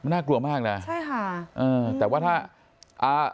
น่ากลัวมากนะใช่ค่ะอ่าแต่ว่าถ้าอ่า